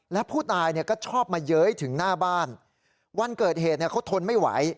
และผู้ตายเนี่ยก็ชอบมาเย้ยถึงหน้าบ้านวันเกิดเหตุเขาทนไม่ไหว